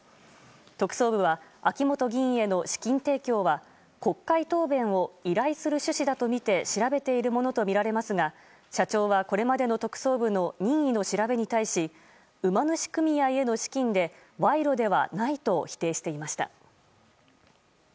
特捜部は秋本議員への資金提供は国会答弁を依頼する趣旨だとみて調べているものだとみられますが社長はこれまでの特捜部の任意の調べに対し馬主組合の資金で賄賂ではないと否定していました。